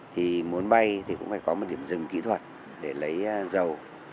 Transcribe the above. thì muốn bay thì cũng phải có một điểm dừng kỹ thuật để lấy dầu